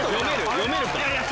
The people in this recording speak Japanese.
読めるか？